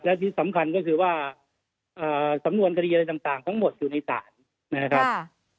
และที่สำคัญก็คือว่าสำนวนคดีอะไรต่างทั้งหมดอยู่ในศาลนะครับ